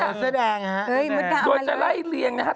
โดยแสดงครับโดยแสดงโดยจะไล่เลี้ยงนะครับ